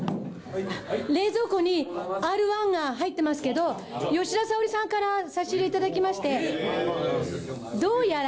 冷蔵庫にＲ−１が入ってますけど吉田沙保里さんから差し入れ頂きましてどうやら。